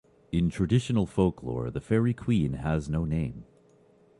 In traditional folklore, the fairy queen has no name.